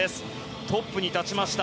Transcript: トップに立ちました。